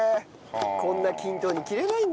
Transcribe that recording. こんな均等に切れないんですよ。